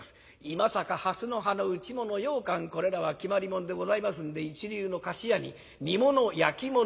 今坂蓮の葉の打ちもの羊羹これらは決まりもんでございますんで一流の菓子屋に煮物焼き物